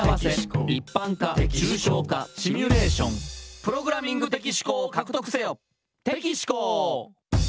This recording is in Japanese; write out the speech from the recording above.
「プログラミング的思考を獲得せよ」